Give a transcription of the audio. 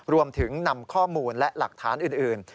รวมถึงนำข้อมูลและหลักฐานอื่น